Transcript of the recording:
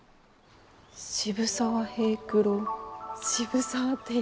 渋沢平九郎渋沢てい